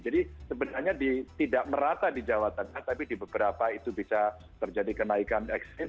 sebenarnya tidak merata di jawa tengah tapi di beberapa itu bisa terjadi kenaikan ekstrim